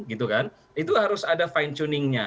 itu harus ada fine tuningnya